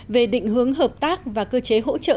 về định hướng hợp tác và cơ chế hỗ trợ